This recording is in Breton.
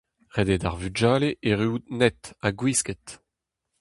Ret eo d'ar vugale erruout naet ha gwisket.